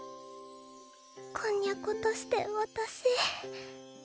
こんにゃ事して私